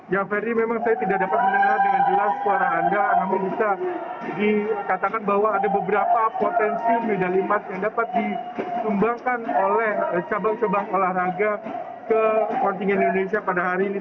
ya ferry memang saya tidak dapat mendengar dengan jelas suara anda namun bisa dikatakan bahwa ada beberapa potensi medali emas yang dapat dikembangkan oleh cabang cabang olahraga ke kontingen indonesia pada hari ini